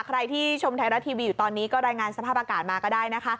ใครที่ชมไทยรัฐทีวีอยู่ตอนนี้ก็รายงานสภาพอากาศมาก็ได้นะคะ